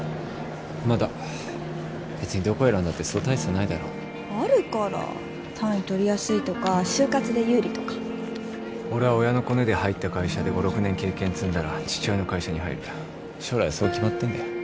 まだ別にどこ選んだってそう大差ないだろあるから単位取りやすいとか就活で有利とか俺は親のコネで入った会社で５６年経験積んだら父親の会社に入る将来そう決まってんだよ